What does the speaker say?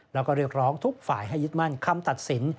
แล้วก็เรียกร้องทุกฝ่ายให้ยึดมั่นคำตัดสิน